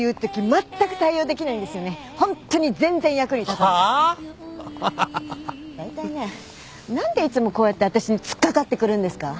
だいたいね何でいつもこうやって私に突っ掛かってくるんですか？